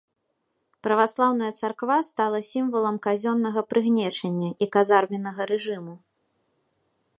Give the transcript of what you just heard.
Праваслаўная царква стала сімвалам казённага прыгнечання і казарменнага рэжыму.